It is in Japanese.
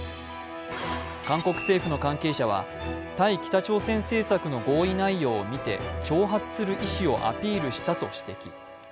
韓国政府の関係者は対北朝鮮政策の合意内容を見て挑発する意思をアピールしたと指摘。